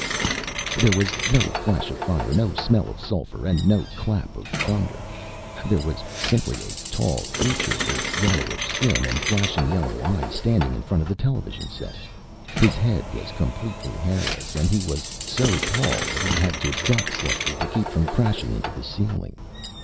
There was no flash of fire, no smell of sulphur, and no clap of thunder. There was simply a tall creature with yellowish skin and flashing yellow eyes standing in front of the television set. His head was completely hairless, and he was so tall that he had to duck slightly to keep from crashing into the ceiling.